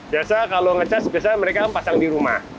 biasa kalau ngecas biasanya mereka pasang di rumah